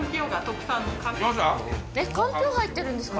えっかんぴょう入ってるんですか？